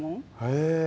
へえ。